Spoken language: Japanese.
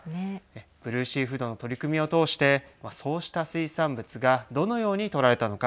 ブルーシーフードの取り組みを通してそうした水産物がどのように取られたのか。